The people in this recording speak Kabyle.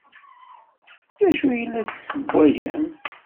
D acu ay la d-tessewwayem?